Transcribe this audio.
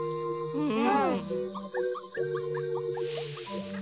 うん。